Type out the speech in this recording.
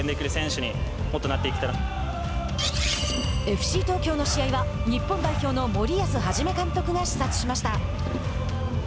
ＦＣ東京の試合は日本代表の森保一監督が視察しました。